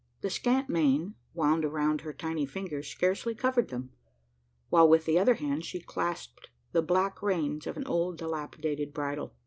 The scant mane, wound around her tiny fingers scarcely covered them; while with the other hand she clasped the black reins of an old dilapidated bridle.